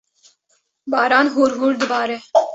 Baran hûrhûr dibare.